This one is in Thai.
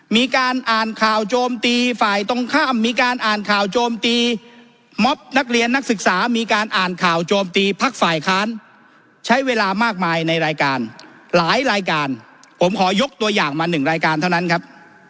มีการอ่านข่าวโจมตีฝ่ายตรงข้ามมีการอ่านข่าวโจมตีม็อบนักเรียนนักศึกษามีการอ่านข่าวโจมตีพักฝ่ายค้านใช้เวลามากมายในรายการหลายรายการผมขอยกตัวอย่างมาหนึ่งรายการเท่านั้นครับ